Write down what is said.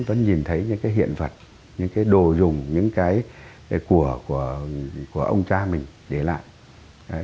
tôi nhìn thấy những cái hiện vật những cái đồ dùng những cái của ông cha mình để lại